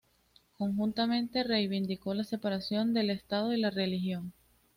Conjuntamente reivindicó la separación del Estado y la religión.